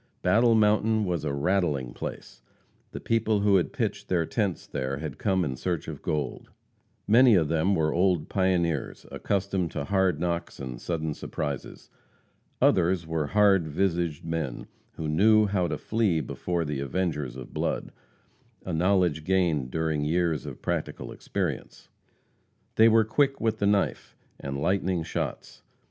Battle Mountain was "a rattling place;" the people who had pitched their tents there had come in search of gold. Many of them were old pioneers, accustomed to hard knocks and sudden surprises. Others were "hard visaged men," who knew how to flee before the avengers of blood a knowledge gained during years of practical experience. They were quick with the knife, and "lightning shots."